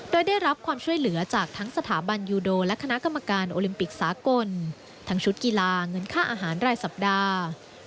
โดยได้รับความช่วยเหลือจากทั้งสถาบันยูโดและคณะกรรมการโอลิมปิกสากลทั้งชุดกีฬาเงินค่าอาหารรายสัปดาห์